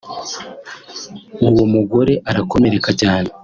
uwo mugore arakomereka cyane